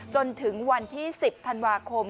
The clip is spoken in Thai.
จนถึงวันที่๑๐ธันวาคม